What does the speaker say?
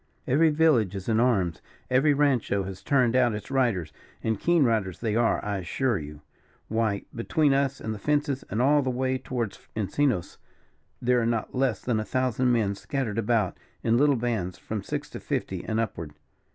Every village is in arms, every rancho has turned out its riders; and keen riders they are, I assure you. Why, between us and the fences, and all the way towards Encinos, there are not less than a thousand men scattered about in little bands, from six to fifty and upward.